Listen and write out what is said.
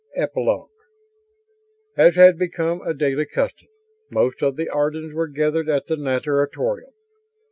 Epilogue As had become a daily custom, most of the Ardans were gathered at the natatorium.